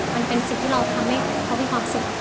มันเป็นสิ่งที่เราทำให้เขามีความสุข